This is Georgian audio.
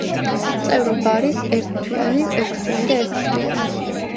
წევრობა არის ერთ თვიანი, ექვს თვიანი და ერთ წლიანი.